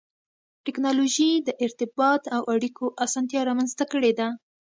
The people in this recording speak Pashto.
ټکنالوجي د ارتباط او اړیکو اسانتیا رامنځته کړې ده.